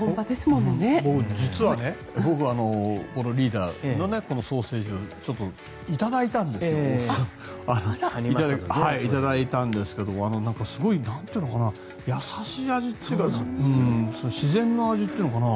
僕、実はリーダーのソーセージをいただいたんですけどすごい、なんというのかな優しい味というか自然の味というのかな。